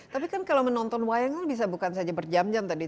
tapi kan kalau menonton wayang kan bisa bukan saja berjam jam tadi